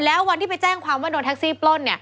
แล้ววันที่ไปแจ้งความว่าโดนแท็กซี่ปล้น